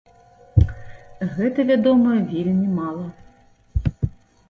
Гэта, вядома, вельмі мала.